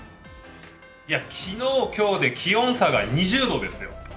昨日、今日で気温差が２０度ですよ。